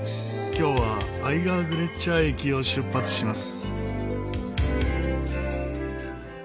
今日はアイガーグレッチャー駅を出発します。